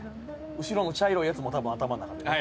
後ろの茶色い奴も多分頭ん中で。